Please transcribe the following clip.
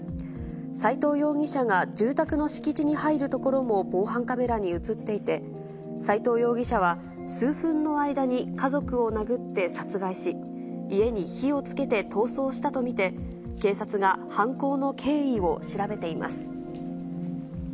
斎藤容疑者が住宅の敷地に入るところも防犯カメラに写っていて、斎藤容疑者は数分の間に家族を殴って殺害し、家に火をつけて逃走したと見て、警察が犯行の経緯を調べています。